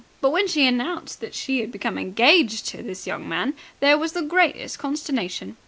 But when she announced that she had become engaged to this young man, there was the greatest consternation.